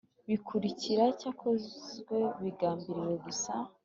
bikurikira cyakozwe bigambiriwe gusa